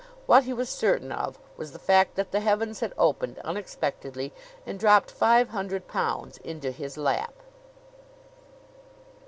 What he was certain of was the fact that the heavens had opened unexpectedly and dropped five hundred pounds into his lap.